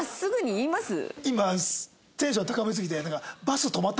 今テンションが高ぶりすぎて。